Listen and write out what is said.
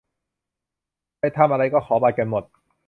ไปทำอะไรก็ขอบัตรกันหมด